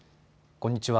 こんにちは。